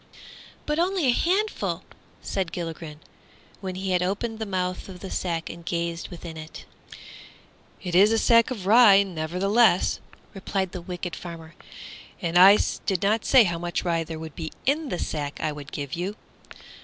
"But only a handful!" said Gilligren, when he had opened the mouth of the sack and gazed within it. "It is a sack of rye, nevertheless," replied the wicked farmer, "and I did not say how much rye there would be in the sack I would give you.